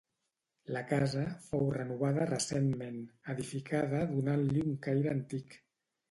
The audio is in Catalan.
La casa fou renovada recentment, edificada donant-li un caire antic.